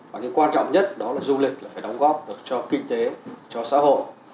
và cái quan trọng nhất đó là du lịch là phải đóng góp cho kinh tế cho xã hội